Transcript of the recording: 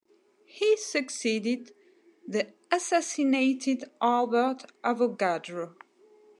He succeeded the assassinated Albert Avogadro.